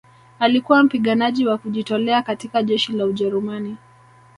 alikuwa mpiganaji wa kujitolea katika jeshi la ujerumani